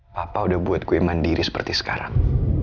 papa udah buat kue mandiri seperti sekarang